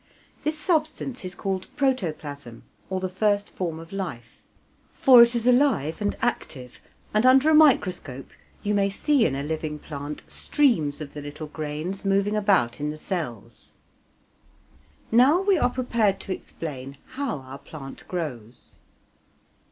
This substance is called "protoplasm," or the first form of life, for it is alive and active, and under a microscope you may see in a living plant streams of the little grains moving about in the cells. Now we are prepared to explain how our plant grows.